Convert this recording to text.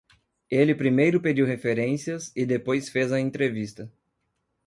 Ele primeiro pediu referências e depois fez a entrevista.